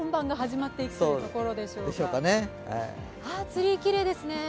ツリー、きれいですね。